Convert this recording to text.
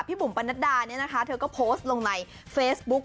บุ๋มปนัดดาเนี่ยนะคะเธอก็โพสต์ลงในเฟซบุ๊ก